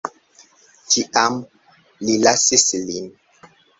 Tiam li lasis lin.